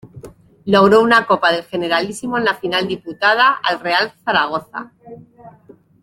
Logró una Copa del Generalísimo en la final disputada al Real Zaragoza.